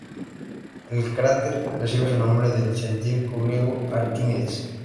El cráter recibe su nombre del científico griego Arquímedes.